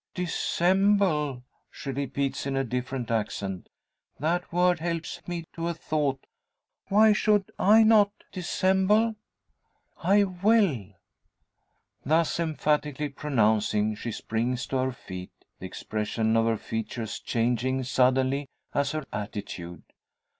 "Dissemble!" she repeats in a different accent. "That word helps me to a thought. Why should I not dissemble? I will." Thus emphatically pronouncing, she springs to her feet, the expression of her features changing suddenly as her attitude.